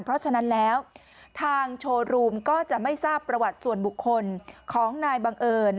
เพราะฉะนั้นแล้วทางโชว์รูมก็จะไม่ทราบประวัติส่วนบุคคลของนายบังเอิญ